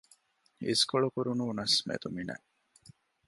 އިސްކޮޅު ކުރުނޫނަސް މެދުމިނެއް